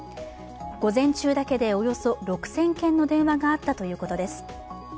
午前中だけでおよそ６０００件の電話があったということです。